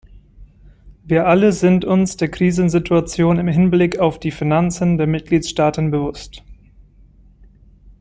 Wir alle sind uns der Krisensituation im Hinblick auf die Finanzen der Mitgliedstaaten bewusst.